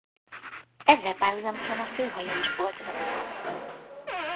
Ezzel párhuzamoson a főhajó is boltozatot kapott.